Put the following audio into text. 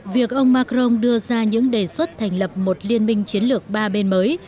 việc ông macron đưa ra những đề xuất thành lập một liên minh chiến lược ba bên mới